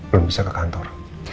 belum bisa ke kantor